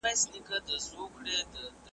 لا سبا توپاني کيږي .